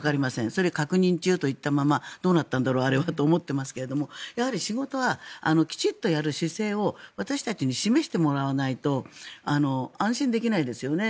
それは確認中といったままどうなったんだろう、あれはと思ってますけどやはり仕事はきちんとやる姿勢を私たちに示してもらわないと安心できないですよね。